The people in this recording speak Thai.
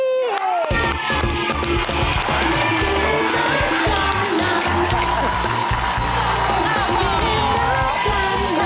สวัสดีค่ะ